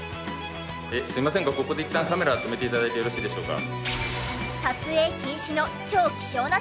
すいませんがここでいったんカメラ止めて頂いてよろしいでしょうか。